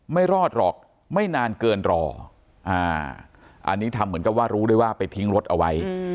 ไม่รอดหรอกไม่นานเกินรออันนี้ทำเหมือนกับว่ารู้ได้ว่าไปทิ้งรถเอาไว้